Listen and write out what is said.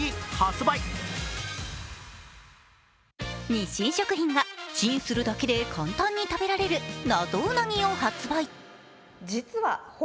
日清食品がチンするだけで簡単に食べられる謎うなぎを発売。